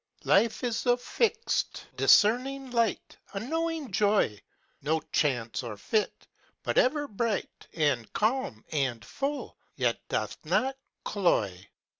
Life is a fixed, discerning light, A knowing' joy; No chance, or fit ; but ever bright. And calm, and full, yet doth not cloy.